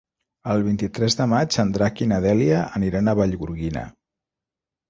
El vint-i-tres de maig en Drac i na Dèlia aniran a Vallgorguina.